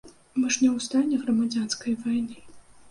Мы ж не ў стане грамадзянскай вайны.